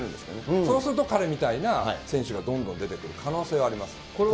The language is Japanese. そうすると彼みたいな選手がどんどん出てくる可能性はあります。